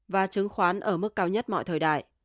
và chứng khoán ở mức cao nhất mọi thời đại